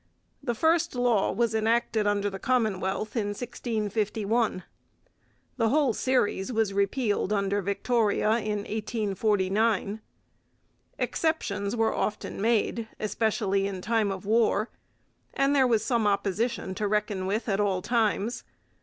The first law was enacted under the Commonwealth in 1651. The whole series was repealed under Victoria in 1849. Exceptions were often made, especially in time of war; and there was some opposition to reckon with at all times.